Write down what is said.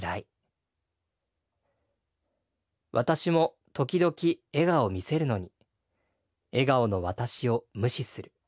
私も時々笑顔見せるのに笑顔の私を無視する。